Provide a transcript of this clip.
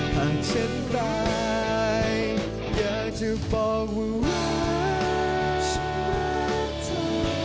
หากฉันตายอยากจะบอกว่าฉันรักเธอ